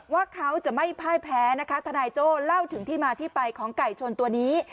ว่าเขาจะไม่พ่ายแพ้นะคะทนายโจ้เล่าถึงที่มาที่ไปของไก่ชนตัวนี้